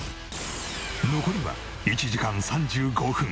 残りは１時間３５分。